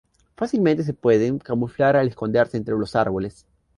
Fácilmente se pueden camuflar al esconderse entre los árboles.